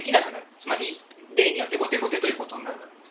つまり、例によって後手後手ということになるわけです。